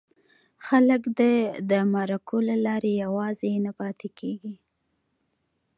خلک دې د مرکو له لارې یوازې نه پاتې کېږي.